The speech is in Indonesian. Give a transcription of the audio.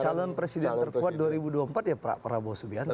calon presiden terkuat dua ribu dua puluh empat ya pak prabowo subianto